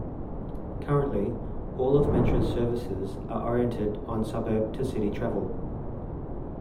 Currently all of Metra's services are oriented on suburb-to-city travel.